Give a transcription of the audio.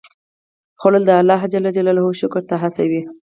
خوړل د الله شکر ته هڅوي